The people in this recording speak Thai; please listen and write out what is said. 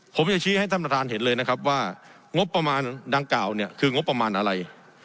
ผมจะชี้ให้ท่านประธานเห็นเลยนะครับว่างบประมาณดังกล่าวเนี่ยคืองบประมาณอะไร